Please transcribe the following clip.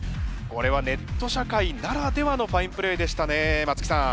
これはネット社会ならではのファインプレーでしたね松木さん。